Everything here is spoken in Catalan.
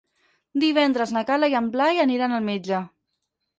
Divendres na Carla i en Blai aniran al metge.